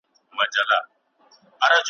ځيني خوبونه د الله تعالی لخوا زیري وي.